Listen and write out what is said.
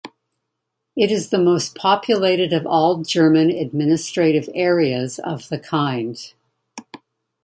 It is the most populated of all German administrative areas of the kind.